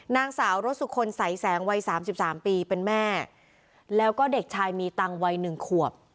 นางสาวรสสุคนใสแสงวัยสามสิบสามปีเป็นแม่แล้วก็เด็กชายมีตังค์วัย๑ขวบ